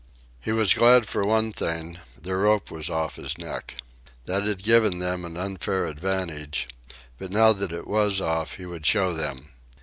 He was glad for one thing: the rope was off his neck. That had given them an unfair advantage; but now that it was off, he would show them.